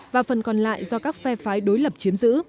và phần còn lại do các phe phái đối lập chiếm giữ